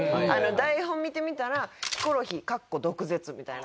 台本見てみたら「ヒコロヒー」みたいな。